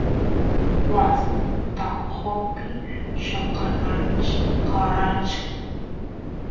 waas taqopi lloqanachkaranku